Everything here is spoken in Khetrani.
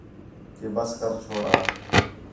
کہ بس کر چھورا